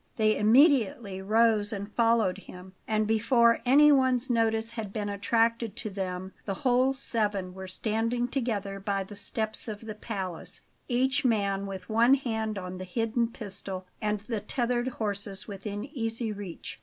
They immediately rose and followed him; and before anyone's notice had been attracted to them, the whole seven were standing together by the steps of the palace, each man with one hand on the hidden pistol, and the tethered horses within easy reach.